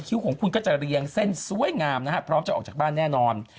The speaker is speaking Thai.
ของคุณก็จะเรียงเส้นสวยงามนะฮะพร้อมจะออกจากบ้านแน่นอน